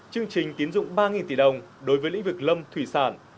chương trình tiến dụng ba tỷ đồng đối với lĩnh vực lâm thủy sản